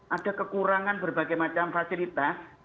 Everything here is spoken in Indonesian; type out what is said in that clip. ada kekurangan berbagai macam fasilitas